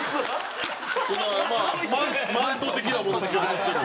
まあマント的なものをつけてますけど。